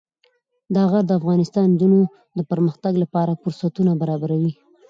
دا غر د افغان نجونو د پرمختګ لپاره فرصتونه برابروي.